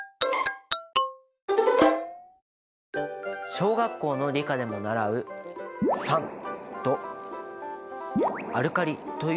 小学校の理科でも習う「酸」と「アルカリ」という言葉。